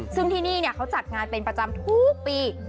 ซึ่งที่นี่เขาจัดงานเป็นประจำทุกปี